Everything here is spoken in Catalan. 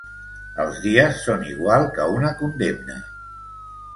Els dies són igual que una condemna.